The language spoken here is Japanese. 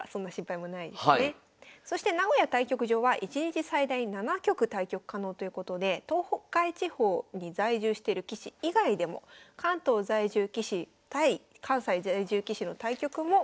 そして名古屋対局場は１日最大７局対局可能ということで東海地方に在住してる棋士以外でも関東在住棋士対関西在住棋士の対局も行われるということです。